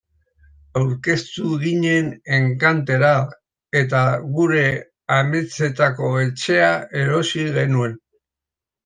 Aurkeztu ginen enkantera eta gure ametsetako etxea erosi genuen.